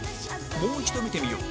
もう一度見てみよう